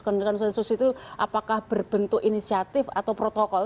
konsensus itu apakah berbentuk inisiatif atau protokol